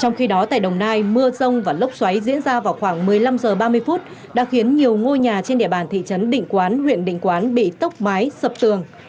trong khi đó tại đồng nai mưa rông và lốc xoáy diễn ra vào khoảng một mươi năm h ba mươi đã khiến nhiều ngôi nhà trên địa bàn thị trấn định quán huyện định quán bị tốc mái sập tường